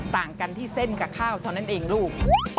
ต่างกันที่เส้นกับข้าวเท่านั้นเองลูก